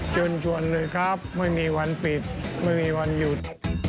เชิญชวนเลยครับไม่มีวันปิดไม่มีวันหยุด